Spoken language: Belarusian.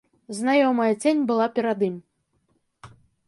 Знаёмая цень была перад ім.